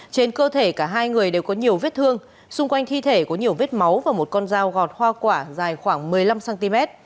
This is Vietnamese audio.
trên cơ thể cả hai người đều có nhiều vết thương xung quanh thi thể có nhiều vết máu và một con dao gọt hoa quả dài khoảng một mươi năm cm